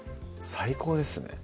最高ですね